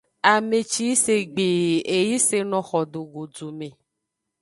Ame ci yi se gbii, e yi seno xo do godu me.